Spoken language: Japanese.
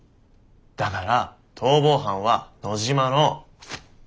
だから逃亡犯は野嶋の。